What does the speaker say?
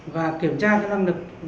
và kiểm tra cái lăng lực